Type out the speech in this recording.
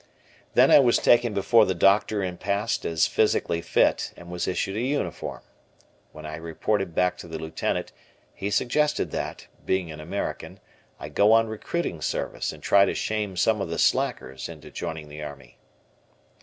Then I was taken before the doctor and passed as physically fit, and was issued a uniform. When I reported back to the Lieutenant, he suggested that, being an American, I go on recruiting service and try to shame some of the slackers into joining the Army.